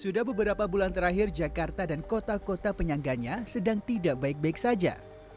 sudah beberapa bulan terakhir jakarta dan kota kota penyangganya sedang tidak baik baik saja